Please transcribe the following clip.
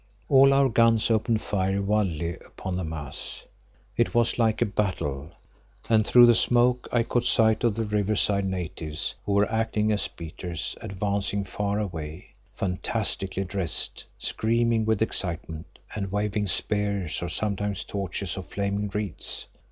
All our guns opened fire wildly upon the mass; it was like a battle and through the smoke I caught sight of the riverside natives who were acting as beaters, advancing far away, fantastically dressed, screaming with excitement and waving spears, or sometimes torches of flaming reeds.